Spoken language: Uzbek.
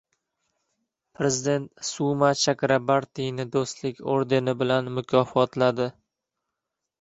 Prezident Suma Chakrabartini «Do‘stlik» ordeni bilan mukofotladi